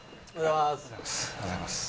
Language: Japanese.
おはようございます。